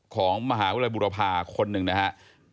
ของมหาวิทยาลัยบุรพาคนหนึ่งนะครับ